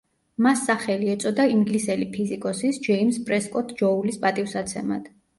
მას სახელი ეწოდა ინგლისელი ფიზიკოსის, ჯეიმზ პრესკოტ ჯოულის პატივსაცემად.